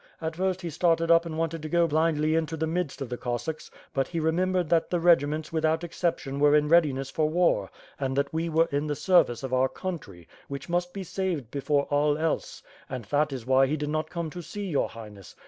At first, he started up and wanted to go blindly into the midst of the Cossacks; but he remembered that the regiments without exception were in readiness for war, and that we were in the service of our country, which must be saved before all else; and that is why he did not come to see your highness.